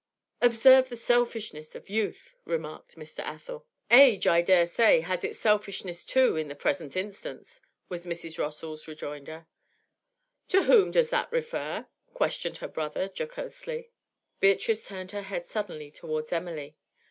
'Observe the selfishness of youth,' remarked Mr. Athel. 'Age, I dare say, has its selfishness too in the present instance,' was Mrs. Rossall's rejoinder. 'To whom does that refer?' questioned her brother, jocosely. Beatrice turned her head suddenly towards Emily.